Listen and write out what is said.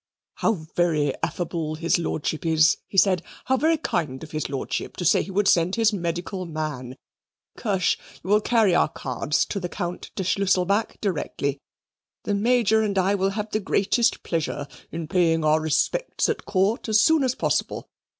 "How very affable his Lordship is," he said; "How very kind of his Lordship to say he would send his medical man! Kirsch, you will carry our cards to the Count de Schlusselback directly; the Major and I will have the greatest pleasure in paying our respects at Court as soon as possible.